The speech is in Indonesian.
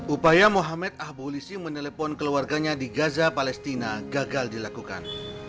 upaya mohamed ahbulisi menelpon keluarganya di gaza palestina gagal dilakukan